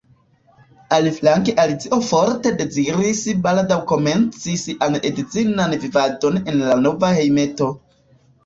Aliflanke Alico forte deziris baldaŭ komenci sian edzinan vivadon en la nova hejmeto.